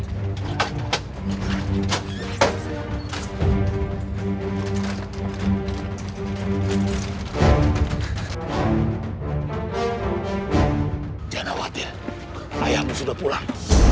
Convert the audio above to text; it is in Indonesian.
jangan khawatir ayahmu sudah pulang